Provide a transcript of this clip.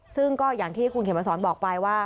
ซึ่งก็อย่างที่คุณเขมสอนบอกไปว่า